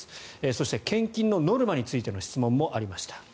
そして献金のノルマについての質問もありました。